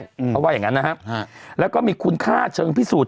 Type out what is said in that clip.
เพราะว่าอย่างงั้นนะฮะแล้วก็มีคุณค่าเชิงพิสูจน